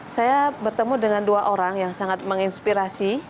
saya bertemu dengan dua orang yang sangat menginspirasi